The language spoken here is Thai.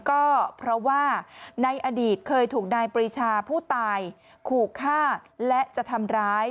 ก็เพราะว่าในอดีตเคยถูกนายปรีชาผู้ตายขู่ฆ่าและจะทำร้าย